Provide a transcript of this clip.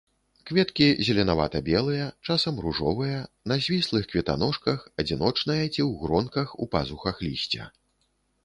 Кветкі зеленавата-белыя, часам ружовыя, на звіслых кветаножках, адзіночныя ці ў гронках у пазухах лісця.